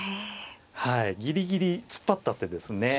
ギリギリ突っ張った手ですね。